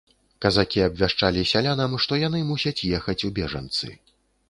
Казакі абвяшчалі сялянам, што яны мусяць ехаць у бежанцы.